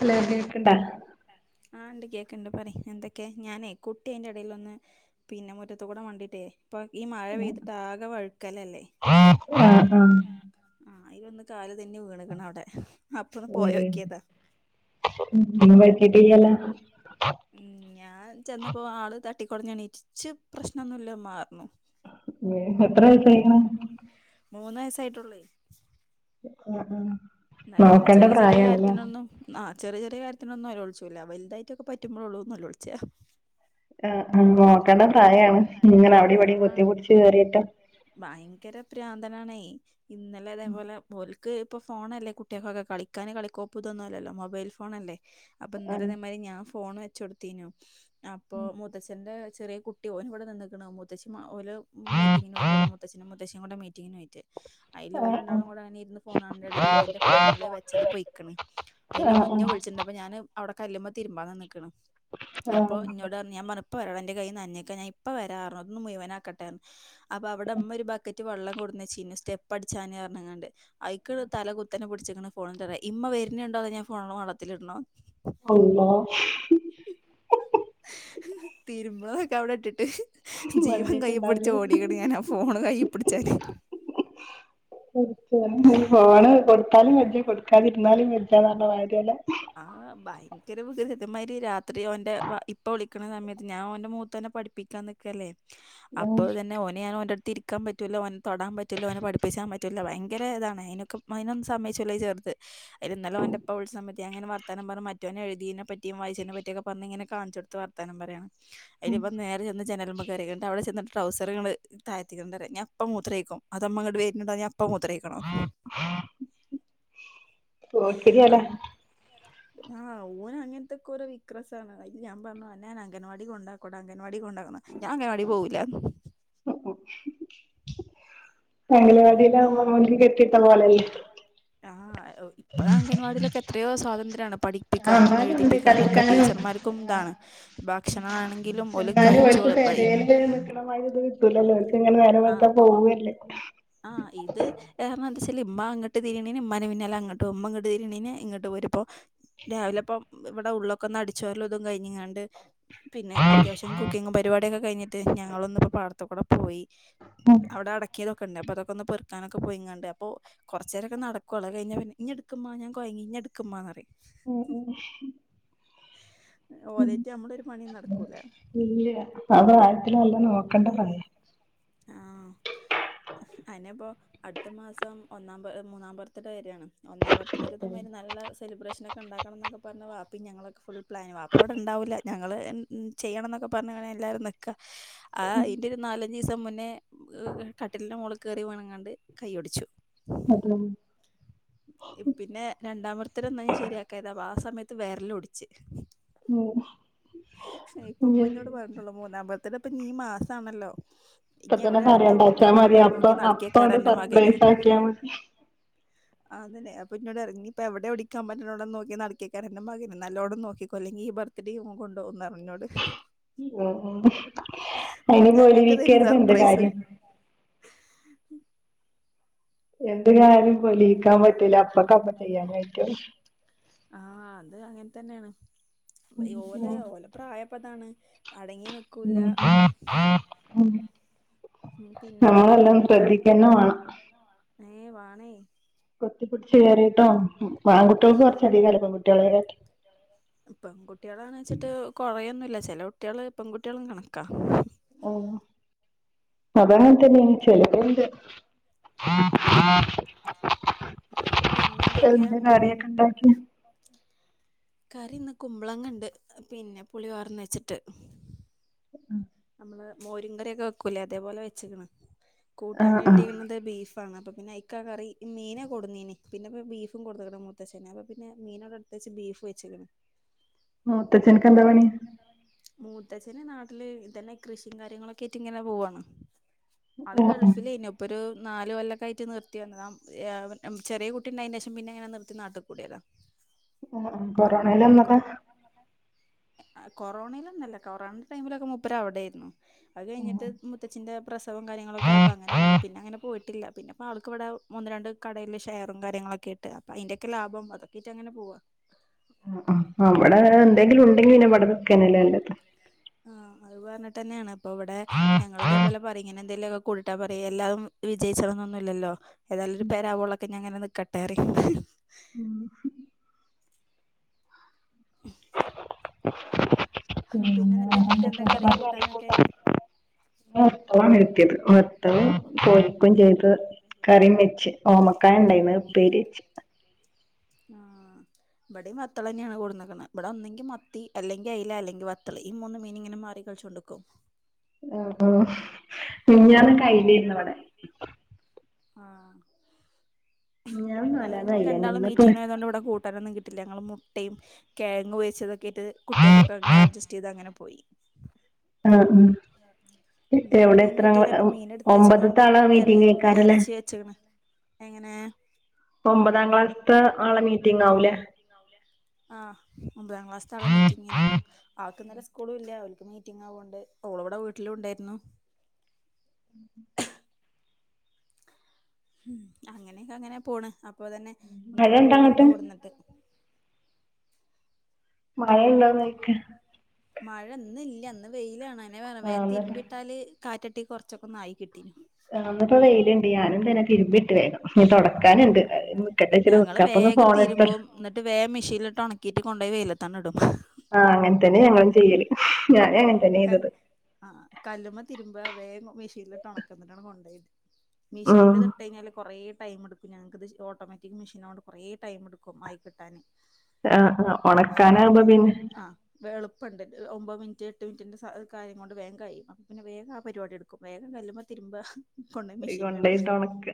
Hello കേക്ക്‌ണ്ടാ? ആ ണ്ട് കേക്കണ്ട് പറയ് എന്തക്കെയ ഞാനേ കുട്ടി അയിന്റെടെലൊന്ന് പിന്നെ മുറ്റത്തുകൂട മാണ്ടിട്ടേ ഇപ്പ ഈ മഴ പെയ്തിട്ട് ആകെ വഴുക്കലല്ലേ. ആ ആ ആ അയിലൊന്ന് കാല് തെന്നി വീണ്ക്കണ് അവടെ അപ്പൊന്ന് പോയോക്കിയതാ. ന്നും പറ്റിട്ടില്ലല്ലോ? ഉം ഞാൻ ചെന്നപ്പോ ആള് തട്ടിക്കൊടഞ്ഞെണിച്ച് പ്രശ്നൊന്നുല്ലമ്മാ പർഞു ഉം എത്ര വയസായിക്കണ്? മൂന്നയസ്സായിട്ടുള്ളേ. ആ ആ ന്നാലുങ്ങനെ ചെറിയ ചെറിയ കാര്യത്തിനൊന്നും ആ ചെറിയ ചെറിയ കാര്യ ത്തിനൊന്നും നെയൊള്ച്ചൂല വൽതായിട്ടക്കെ പറ്റുമ്പോഴള്ളൂ നെലോളിച്ച. ആ ആ നോക്കണ്ട പ്രായാണ് ഇങ്ങനെ അവിടെവിടേം ആ കുത്തി പിടിച്ച് കേറിട്ട ഭയങ്കര പ്രാന്തനാണേ ഇന്നലെ അതേപോലെ പോലി ക്ക്‌ ഇപ്പ ഫോണല്ലേ കുട്ടികക്കൊക്കെ കളിക്കാന് കളിക്കോപ്പുതൊന്നുവല്ലല്ലോ മൊബൈൽ ഫോണല്ലേ. അപ്പന്നലെ ആഹ് ഇതേമാരി ഞാൻ ഫോണ് വെച്ച് കൊടുത്തീനു അപ്പൊ മുത്തച്ഛന്റെ ചെറിയ കുട്ടി ഓനിവടെ നിന്നിക്കണ് മുത്തശി ഓല് മീറ്റിങ്ങിന പോയിട്ടെള്ളൂ മുത്തച്ഛനും മുത്തശ്ശികൂടെ മീറ്റിങ്ങിന് പോയിട്ട് അയില് ആഹ് ഓലണ്ടാളും കൂടെ അങ്ങനെരിന്ന് ഫോണാന്റെടേല് ഇവന്റെ ഫോണില് വെച്ചത് പോയിക്കണ് അയില് ആഹ് ആഹ് ഓൻ ന്നെ വിളിച്ചിട്ണ്ടപ്പ ഞാന് അവടെ കല്ലുമ്മ തിരുമ്പാ നിന്ന്ക്കണ് ആഹ് അപ്പോ ആഹ് ന്നോടറഞ്ഞ് ഞാൻ പറഞ്ഞ് പ്പ വരാടാ ന്റെ കയ്യ് നനഞ്ഞിക്ക ഞാൻ ഇപ്പ വരാറഞ്ഞു ഒന്ന് മുയുവനാക്കട്ടെറഞ്ഞ് അപ്പ അവടെമ്മ ഒരു ബക്ക റ്റ് വള്ളം കൊട്ന്നെച്ചീന് സ്റ്റെപ്പ് അടിച്ചാന് റഞ്ഞുങ്ങാണ്ട് അയിക്ക് തല കുത്തനെ പിടിച്ചക്കണ് ഫോൺന്റെതെ ഇമ്മ വെ വെര്ന്നുണ്ടോ അതൊ ഞാൻ ഫോണ് വെള്ളത്തിലിടണോ? അള്ളാ തിര്മ്പാതൊക്കവ്ടെ ഇട്ട്ട്ട് ജീവൻ കയ്യ് പുട്ച്ച് മണ്ടീട്ട്ണ്ടാവുലേ ഓടീക്ക്ണ് ഞാനാ ഫോണ് കയ്യ് പുട്ച്ചാന് തീർച്ചായും ഫോണ് കൊടുത്താലും വെജജ കൊട്ക്കാതിര്ന്നാലും വെജ്ജാന്നർഞ്ഞമാര്യാല്ലേ ആ [unintelligible] രാത്രി ഓന്റെ വാ ഇപ്പ വിളി ക്ക്ണ സമയത്ത് ഞാൻ ഓന്റെ മുത്തേനെ പഠിപ്പിക്കാൻ നിക്കല്ലേ അപ്പൊ ഉം ഇതന്നെ ഓന് ഞാൻ ഓന്റെട്ത്ത് ഇര് ര്ക്കാൻ പറ്റൂല ഓനെ തൊടാൻ പറ്റൂല്ല ഓനെ പഠിപ്പിച്ചാൻ പറ്റൂല്ല ഭയങ്കര ഇതാണ് അയിനൊക്കെ അയിനൊന്നും സമ്മയ്ച്ചൂല ഈ ചെർത് അയില് ന്നലെ ഓന്റെപ്പ വിളിച്ച സമയ ഞാനിങ്ങനെ വർത്താനം പറഞ്ഞ് മറ്റോന് എഴുതീനെ പറ്റീം വായിച്ചീനേം പറ്റ്യൊക്കെ പറഞ്ഞിങ്ങനെ കാണിച്ചൊട്ത്ത് വർത്താനം പറയണം അയില് ഇവൻ നേരെ ചെന്ന് ജനലിമ്മേ കേറിക്കും ന്നിട്ടവടെ ചെന്ന്ട്ട് ട്രൗസറ്ങ്ങിട് താഴ്ത്തിടുന്ന്ട്ട്റിം ഞായിപ്പൊ മൂത്രൊയിക്കും അതൊ മ്മങ്ങട് വര്ന്ണ്ടോ അതോ ഞാൻ ഇപ്പ മൂത്രൊയ്ക്കണം പോക്കിരിയല്ലേ അങ് ആ ഓന് അങ്ങനത്തൊക്കോരോ വിക്രസാണ് അയില് ഞാൻ പറഞ്ഞ് അന്നെ ഞാൻ അംഗൻവാടി കൊണ്ടാക്ക്വടാ അ അംഗൻവാടി കൊണ്ടാക്കണ ഞാൻ അംഗനവാടീ പോവൂല്ലാന്ന് [unintelligible] അംഗനവാടീലാവുമ്പോ [unintelligible] കെട്ടീട്ട പോലല്ലേ ആ ഔ ഇപ്പോ അംഗൻവാടീലൊക്കെ എത്രയോ സ്വാതന്ത്ര്യാണ് ആഹ് പഠിപ്പിക്കാനും എഴുതിപ്പിക്കാനൊക്കെ ടീച്ചർമാർക്കും താണ് എന്തായാലും ഓൽക്ക്ത് പെരേല് കഴിച്ചോളും നിക്ക്ണ മാര്യൊര്ത് കിട്ടൂലല്ലോ [unintelligible] ഇങ്ങനെ നേരം വെൾത്താ പോവല്ലേ ആ ഇത് [unintelligible] എന്താച്ചാൽ ഇമ്മ അങ്ങട്ട് തിരിണീന് ഇമ്മാന്റെ പിന്നാലെ അങ്ങട്ടോവും മ്മ ഇങ്ങട്ട് തിരിണീന് ഇങ്ങട്ട് പോരുംമ്പോ രാവിലെപ്പൊ ഇവടെ ഉള്ളൊക്കൊന്ന് അട്ച്ചോരലൊക്കൊന്ന് കയിഞ്ഞ്ങ്ങാണ്ട് പിന്നെ അത്യാവശ്യം കുക്കിംഗും പര്പാടിയൊക്കെ കഴിഞ്ഞിട്ട് ഞങ്ങളൊന്ന് പാട്ത്ത്ക്കൂടെ പോയി അവിടെ അടക്കിതൊ ക്കെണ്ടപ്പൊതൊക്കൊന്ന് പെറ്ക്കാനൊക്കെ പോയിങ്ങാണ്ട് അപ്പോ കൊറചേരൊക്കെ നടക്കോള്ളു അത് കയ്ഞ്ഞാപിന്നെ ന്നെട്ക്ക് മ്മാ ഞാൻ കൊയ്ങ്ങി ന്നെ എട്ക്ക്മ്മാന്നറയും ഉം ഉം ഓലേറ്റ് നമ്മളൊരു പണിയും നടക്കൂല ഇല്ല്യ അത് [unintelligible] നോക്കണ്ട പറ്യേ ആ അയിന്പ്പൊ അട്ത്ത മാസം ഒന്നാംപ മൂന്നാംബർത്ത്ഡേ വെരാണ് ഒന്നാം ബർത്ത്ഡേക്ക്തേമാരി നല്ല സെലിബ്രേഷനൊക്കെണ്ടാക്കണംന്നൊക്കെ പറ്ഞ്ഞ് വാപ്പീം ഞങ്ങളൊക്കെ ഫുൾ പ്ലാൻ വാപ്പവടെണ്ടാവൂല ഞങ്ങള് ചെയ്യണംന്നൊക്കെപ്പറ്ഞ്ഞ്ങ്ങനെ എല്ലാരും നി ആ അയിന്റൊരു നാല് രീസം മുന്നേ കട്ടില്ന്റെ മോളിക്കേറി വീണ്കാണ്ട് കൈയ്യൊടിച്ചു അതെ പിന്നെ ത് വെര്ലൊടിച്ച് [unintelligible] ഇതൊക്കെപ്പീ മാസാണല്ലോ ഇനി ഇപ്പത്തന്നെ എവിടെ അടുത്ത ഓടിക്കാൻ പറ്യണ്ടാച്ചാ മതി പറ്റണ അപ്പൊ നോക്കി നടക്കിയേക്കാരാ അപ്പണ്ട് സർപ്രൈസ് ആക്കിയാ മതി ആ അതന്നെ അപ്പൊന്നോടറിം ഇനിപ്പോ എവടെ ഒടിക്കാൻ പറ്റ്ണോണ്ടന്ന് നോക്കി നടക്കെയ്ക്കാരം അന്റെ മകന് നല്ലോണം നോക്കിക്കോ അല്ലെങ്കീ ഈ ബർത്ത് ഡേം കൊണ്ടുവന്നാമതി ഓൻ അയില് ഞങ്ങൾക്ക് തരും [unintelligible] സർപ്രൈസ് കാര്യം [inaudible] എന്ത് കാര്യും പൊലിയിക്കാൻ പറ്റൂല അപ്പക്കപ്പ [unintelligible] ആ അത് അങ്ങനതന്നേണ് ഓല് ഉം ഓലെ പ്രായപ്പിതാണ് [unintelligible] ഉം, പിന്നെ എന്നിട്ട് നമ്മളെല്ലാം ശ്രദ്ധിക്കെന്നെ വേണം ഏ വാണെയ് കൊത്തിപ്പുട്ച്ച് കയറി പെൺകുട്ടികളെ കാട്ടി പെങ്കുട്ടികളാന്നിച്ചിട്ട് കൊറയൊന്നില്ല ചെല കുട്ടിയെള് പെൺകുട്ടികളും കണക്ക ആഹ് അതങ്ങൻതെന്നെയൻ ചെലപ്പെന്ത് പിന്നെന്തൊക്കെയാ എന്ത് കടിയൊക്കിണ്ടാക്കിയെ കറിന്ന് കുമ്പളങ്ങണ്ട് പിന്നെ പുളിവാർന്നെച്ചിട്ട് ഉം മ്മള് മോരും കറിയൊക്കെ വെക്കൂല്ലേ അതേപോലെ വെച്ക്ണ് ആഹ് ആഹ് കൂട്ടാനെട്ടിക്ണത് ബീഫ് അപ്പ പിന്നയ്ക്ക കറി മീന് കൊടുന്നീന് പിന്നെപ്പെ ബീഫും കൊണ്ടന്ന്ക്ക്ണ് മുത്തശ്ശന് അപ്പ പിന്നെ മീനാടട്ത്ത് ച് ബീഫ് വെച്ക്ക്ണ് മൂത്തച്ഛൻക്കെന്താ പണി പണി മൂത്തച്ഛന് നാട്ടില് ഇതന്നെ കൃഷിയും കാര്യങ്ങളൊക്കായിട്ടിങ്ങനെ പോവാണ് അള് ആഹ് ആഹ് ഗൾഫിലേയ്നു ഇപ്പൊരു നാല് കൊല്ലൊക്കെയ് റ്റ് നിർത്തി വന്നതാ ഏഹ് ചെറിയ കുട്ടിണ്ടായിന്റെഷം പിന്നെങ്ങനെ നിർത്തി നാട്ടികൂടിയതാ കൊറോണയിലന്നത ആഹ് കൊറോണയിലൊന്നല്ല കൊറോണ ടൈമിലൊക്കെ മുപ്പരവിടേരുന്നു അത് കഴിഞ്ഞിട്ട് മുത്തച്ചിന്റെ പ്രസവം ക ആഹ് ര്യങ്ങളൊക്കായപ്പോ അങ്ങനെ വന്ന് ആഹ് പിന്നങ്ങനെ പോയിട്ടില്ല പിന്നെപ്പാൾക്കിവിടേ ഒന്ന് രണ്ട് കടേല് ഷെയറും കാര്യങ്ങളൊക്കെയിട്ട് അപ്പയിന്റെൊക്കെ ലാഭം അതൊക്കായിറ്റങ്ങനെ പോവാ ആഹ് ആ അവിടേ എന്തെങ്കിലുണ്ടെങ്കിന്നെ എന്തെങ്കിലും ഉണ്ടെങ്കിൽ വിടെനിക്കാന്നെല്ലേ നല്ലത് ആഹ് അത് പറഞ്ഞിട്ടെന്നെയാണ് അപ്പൊ ഇവിടെ ഞങ്ങളിതേപോലെ പറിങ്ങനെന്തേലൊ കൂടിട്ടാ പറീ എല്ലാതും വിജയിച്ചന്നൊന്നുല്ലല്ലോ ഏതായാലൊരു പെരാവോള ഒക്കെ ഞാങ്ങനക്കട്ടേറി ഹിഹി ഉം [inaudible] [unintelligible] [inaudible] പിന്നെ എന്നിട്ട് നിങ്ങൾക്ക് എന്താ കറിയും കൂട്ടാനൊക്കെ [unintelligible] കറിയും വെച്ച് കറിയും വെച്ച് ഓമക്കായണ്ടായിന്ന് ഉപ്പേരിച്ച് [inaudible] ആ ഇവിടീം വത്തളന്നെയാണ് കൊണ്ടന്ന്ക്ക്ണെ ഇബ്ടൊന്നെങ്കി മത്തി അല്ലെങ്കി ഐല അല്ലെങ്കി വത്തള് ഈ മൂ മീനിങ്ങനെ മാറിക്കളിചോണ്ട്ക്കും ആ ആ മെഞ്ഞാന്ന് കയ്ഞ്ഞീന്നിവടെ ആഹ് മിനിഞ്ഞാന്നും ഇന്നല നാലാന്നും പിന്നെ ഓൽ അയിലെന്നെ രണ്ടാളും ഇന്ന്പ്പോ മീറ്റിങ്ങിന് പൊയതൊണ്ട് ഇവിട കൂട്ടാനൊന്നും കി ല്ല ങ്ങള് മുട്ടേം കെഴങ് വെച്ചതൊക്കായിട്ട് കുട്ടിയെക്കൊക്കെ ങ്ങൾ അഡ്ജസ്റ്റ് ചെയ്തങ്ങന പോയി ആ ആ ഇക്കവിടെത്ര ഉം ഒമ്പത്ത്തെ തേച്ങ്ങാണ്ട് ആളെ എൽ ഉം മീറ്റിംഗേക്കാരല്ലേ എർച്ചി വെച്ക്ക്ണ് എങ്ങനെ ഒമ്പതാം ക്ലാസ്ത്തെ ആ മീറ്റിങാവൂലേ ആഹ് ഒൻമ്പതാം ക്ലാസ്താളെ മീറ്റിങേനു ആൾക്ന്നലെ സ്കൂളു ഇല്ല ഓല്ക്ക് മീറ്റിങ്ങാവോണ്ട് ഓളിവടെ വീട്ടിലുവുണ്ടായിരുന്നു [inaudible] ഉം അങ്ങനെയൊക്കങ്ങനെ പോണ് അപ്പൊ തന്നെ മഴ ഇനിയിപ്പോ പൂള അങ്ങട്ട് ഇണ്ടോ കൊടുന്നിട്ട് മഴ ഇണ്ടോന്നൊയ്ക്ക മഴ ഇന്നില്ല ഇന്ന് വെയിലാണ് അനെ വേ ആഹ് വേൻ ഇന്ന്പ്പോ തിരുമ്പിട്ടാല് കാറ്റട്ടി കൊർച്ചൊക്കൊന്നായി കിട്ടീനു ആഹ് ന്നിപ്പോ വെയിലിണ്ട് ഞാനും പിന്ന തിരുമ്പിട്ട് വേകം ഉം ഞങ്ങള് നിക്കാ അപ്പൊന്ന് വേഗം ഫോണെടുത്ത തിരുമ്പും ന്നിട്ട് വേം മെഷീൻലിട്ട് ഒണക് കീറ്റ് കൊണ്ടോയി വെയിലത്താണ്ടിടും ആഹ് അങ്ങൻതെന്നെ ഞങ്ങളും ചെയ്യല് ഞാനും അങ്ങനെ ഉം തന്നെ ചെയ്തത് തെന്നെ ആഹ് കല്ലുമ്മ തിരുമ്പ വേം മെഷീൻലിട്ട് ഒണക്ക ന്നിട്ടാണ് കൊണ്ടോയിട് ഉം മിഷീൻലിതിട്ടയ്ഞ്ഞാല് കൊറേ ടൈമെടുക്കും ഞങ്ങക്കിത് ഓട്ടോമാറ്റിക് മെഷീനായോണ്ട് കൊറേ ടൈമെടുക്കും ആയി കിട്ടാന് ആഹ് ആഹ് അപ്പ ഒണക്കാനാവുമ്പോ പിന്നെ ആ എളുപ്പണ്ട് ഒമ്പത് മിന് റ്റ് എട്ട് മിനിന്റെ സ കാര്യം കൊണ്ട് വേഗം കഴിയും, അപ്പ പിന്നെ വേഗം ആ പരിപാടി എടുക്കും വേഗം കല്ലിമ്മ തിരുമ്പാ [unintelligible] കൊണ്ടോയിട്ട് ഒണക്കാ.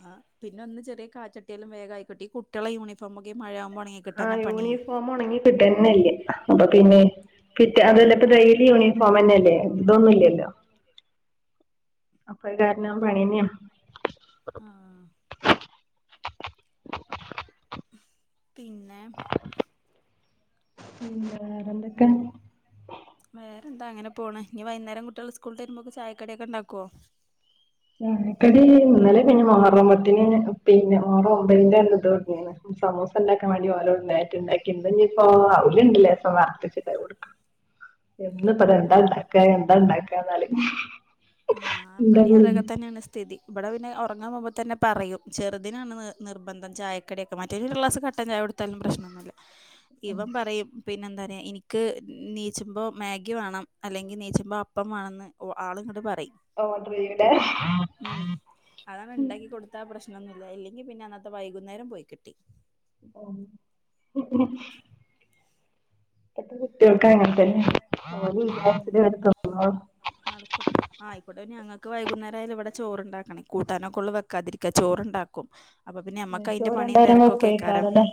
ആ പിന്നെന്ന് ചെറിയ കാറ്റട്ട്യാലും വേഗായികിട്ടും ഈ കുട്ടിളെ യൂണിഫോംക്കെ ആ യൂണിഫോമ് ഉണങ്ങി കിട്ട്യാന്നെല്ല അപ്പൊ കിട്ടന്നല്ല പിന്നെ അപ്പൊ പിന്നെ ഫിറ്റ് അതല്ല ഇപ്പ കിട്ട ഡെയിലി അതല്ല ഇപ്പ യൂണിഫോം ഡെയിലി ന്നെല്ലേ യൂണിഫോം തന്നെയല്ലേ ഇടുംന്നുല്ലല്ലോ. ഇതൊന്നുമില്ലല്ലോ അപ്പ ഈ കാരണം അത് കാരണം [unintelligible] പണിയന്നെ ആ പിന്നെ പിന്നെ വേറെന്തൊക്കെ? വേറെന്താ അങ്ങനെ പോണ്, ഇനി വൈകുന്നേരം കുട്ടികൾ സ്കൂളിട്ട് വരുമ്പക്ക് ചായക്കടി ഒക്കെ ഉണ്ടാക്കോ? ചായക്കടി ഇന്നലെ പിന്നെ മൊഹറം പത്തിന് പിന്നെ മൊഹറം ഒമ്പതിന്റെ അന്ന് ഇത് [unintelligible] സമൂസ ഇണ്ടാക്കൻ വേണ്ടി ഓലവിടുന്നു നേരത്തെ ഇണ്ടാക്കി, ഇന്ന് ഇപ്പോ ഔല്ണ്ട് ലേസം വർത്തെച്ചിട്ട് അത് കൊടുക്കാ. [inaudible] ഇന്നിപ്പ ത ഇവിടെ എന്താ ഇണ്ടാക്കാ എന്താ ഉണ്ടാക്ക ഇണ്ടാക്കാന്ന് [unintelligible] തന്ന്യാണ് സ്ഥിതി ഇബട പിന്നെ [unintelligible] ഉറങ്ങാ പോകുമ്പതന്നെ പറയും ചെറുതിനാണ് നി നിർബന്ധം ചായക്കടിയൊക്കെ, മറ്റേന് ഒരു ഗ്ലാസ്‌ കട്ടൻ ചായ കൊടുത്താലും പ്രശ്നൊന്നൂല്ല. ഇവൻ പറയും പിന്നെ എന്താണ്‌ എനിക്ക് നീച്ച്മ്പോ മാഗ് ക്ക് വാണം അല്ലെങ്കി നീച്ചുമ്പോ അപ്പം വാണംന്ന് ഒ ആള് ഇങ്ങട് പ [unintelligible] മ് [unintelligible] ഒന്നുല്ല എല്ലെങ്കി പിന്നെ അന്നത്തെ വൈകുന്നേരം പോയി കിട്ടി. [unintelligible] [unintelligible] അങ്ങനതന്നെ ഓല് ഉം വിചാരിച്ചതെ ഓല് തിന്നൊള്ളു. നടക്കും ആ ആയിക്കോട്ടെ ഞങ്ങക്ക് വൈകുന്നേരം ആയാലും ഇവടെ ചോറുണ്ടാക്കണേ കൂട്ടാനൊക്കെള്ളൂ വെക്കാതിരിക്കാ ചോറുണ്ടാക്കും. അപ്പൊ പിന്നെ ഏ നമ്മക്ക് അതിന്റെ ചോറ് പണിയും രണ്ടേരം തിരക്കൊക്കെ ഏക്കാരം വെക്കുയ്ക്കാരം ല്ലേ.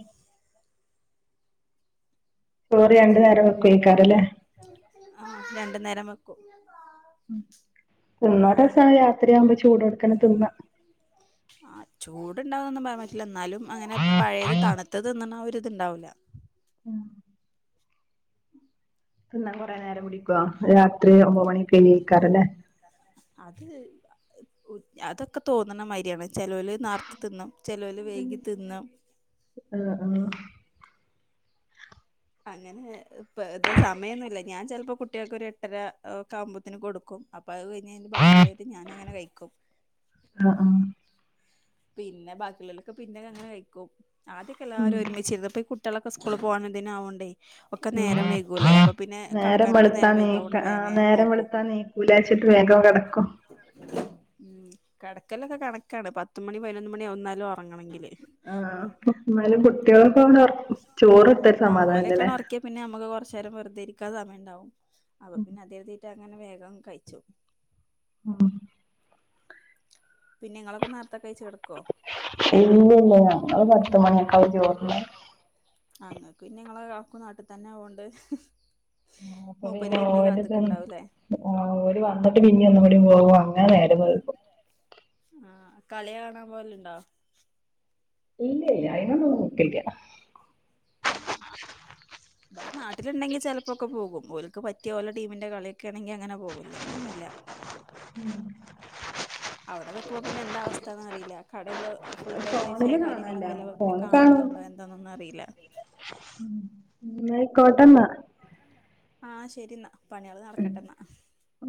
ചോറ് രണ്ട് നേരം വെക്കുയ്ക്കാരം ല്ലേ. ആ രണ്ടു നേരം വെക്കും. ഉം [inaudible] ആ ചോ [unintelligible] ചൂടോട്ക്കനെ തിന്നാ ഇണ്ടാവുന്നൊന്നും പറയാൻ പറ്റില്ല, എന്നാലും അങ്ങനെ പഴയത് തണുത്തത് തിന്നണ ആ ഒരു ഇത് ഇണ്ടാവൂല്ല. ഉം പിന്ന കൊറേ നേരം പിടിക്കോ? രാത്രി ഒമ്പത് മണിയൊക്കെ ല്ലേയ്കാരം ല്ലേ. അത് ഒ അതൊക്കെ തോന്നണ മാരിയാണ്. ചെലോല് നാർത്ത തിന്നും, ചെലോല് വൈകി തിന്നും. ആഹ് അങ്ങനെ ഇപ്പ ത് സമയൊന്നൂല്ല ഞാൻ ചെലപ്പോ കുട്ട്യാൾക്ക് ഒരു എട്ടര ഒക്കെ ആവുമ്പത്തന് കൊടുക്കും. പ്പ അത് കഴിഞ്ഞേന്റെ ആഹ് ബാക്കിയുള്ളതേയിട്ട് ഞാൻ അങ്ങനെ കഴിക്കും. ആഹ് ആഹ് പിന്നെ ബാക്കിയുള്ളൊലൊക്കെ പിന്നെ അങ്ങനെ കഴിക്കും, ആദ്യൊക്കെ ഉം എല്ലാരും ഒരുമിച്ചിരുന്നു ഇപ്പം ഈ കു കുട്ട്യാളൊക്കെ സ്കൂളിൽ പോവാൻ ഇതിന് ആവണ്ടേ. ഒക്കെ നേരം വൈകൂല്ലേ ഉം അപ്പ പിന്നെ നേരം കടക്കാരനൊക്കെ വെളുത്താ നേരം വൈകും അത് നീക്ക കൊണ്ട് വേവേം ആഹ് വേവേം നേരം നോക്കും. വെളുത്താ നീക്കൂലാച്ചിട്ട് വേഗം കെടക്കും. ഉം കെടക്കല്ലൊക്കെ കണക്കാണ് പത്തുമണി പതിനൊന്ന് മണി ആവും ന്നാലും ഒറങ്ങണങ്കില്. ആ എന്നാലും കുട്ടികളൊക്കെ ഒരോർക് ആ ഓലക്കെണ് ഒറക്കിയ പിന്നെ നമുക്ക് കൊറച്ച് നേരം വെറുതെ ഇരിക്കാൻ സമയം ണ്ടാവും അ - അത് ഉം കരുതീട്ടാണ് അങ്ങനെ വേഗം കഴിച്ചു. ആ പിന്നെ ഇങ്ങളൊക്കെ [unintelligible] കെടക്കോ ഇല്ല ഇല്ല ഞങ്ങള് പത്ത് മണിയൊക്കെ ആവും ചോറ് തിന്നാൻ. ആ ഇങ്ങക്ക് പിന്നെ ഇങ്ങളെ കാക്കു നാട്ട് തന്നെ ആവോണ്ട് ആ അപ്പ മൂപ്പര് പിന്നെ വരുന്ന ഓരത് കാത്ത്ക്ക്ണ്ടാവൂലേ ഓര് വന്നിട്ട് പിന്നിം ഒന്ന്‌ [unintelligible] [unintelligible] അങ്ങനെ [unintelligible] ആ കളി കാണാൻ പോവല് ഇണ്ടോ ഇല്ലല്ല അയിതിനൊന്നും നോക്കില്ല ആ ആ ആ ഇവട നാട്ടിൽ ഇണ്ടെങ്കി ചെലപ്പൊക്കെ പോകും [unintelligible] ക്ക് പറ്റിയ വല്ല ടീമിന്റെ കളിയൊക്കെ ആണെങ്കിൽ അങ്ങനെ പോകും, അല്ലെങ്കിൽ ഒന്നുല്ല. ഉം അവിടെ നിക്കുമ്പോ പിന്നെ എന്താ അവസ്ഥന്ന് അറിയില്ല കടയില് ഫുൾടൈം ഫോണില് വൈഫൈയും കാണല്ല കാര്യങ്ങളൊക്കെല്ല പിന്നെ ഫോണ് കാണലുണ്ടോ എന്താന്നൊന്നും അറിയില്ല നാ അയ്കോട്ടന്നാ ആ ശെരിന്നാ പണികള് നടക്കട്ടെന്നാ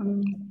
ഉം